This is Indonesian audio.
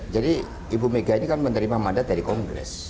jadi ibu mega ini kan menerima mandat dari kongres